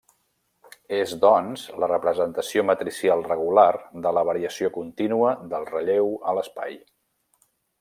És doncs, la representació matricial regular de la variació contínua del relleu a l'espai.